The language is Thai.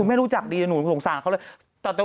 ไม่รู้จักดีหนูสงสารเขาเลย